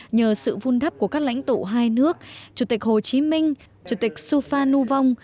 nhờ sự vun đắp của các lãnh tụ hai nước chủ tịch hồ chí minh chủ tịch supha nu vong